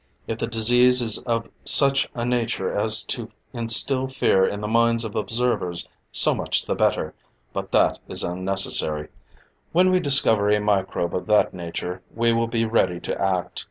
If the disease is of such a nature as to instill fear in the minds of observers, so much the better; but that is unnecessary. When we discover a microbe of that nature, we will be ready to act.